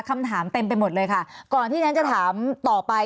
คำถามเต็มไปหมดเลยค่ะก่อนที่ฉันจะถามต่อไป